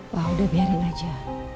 pak udah biarin aja